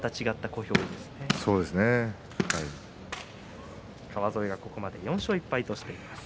小兵ですが川副がここまで４勝１敗としています。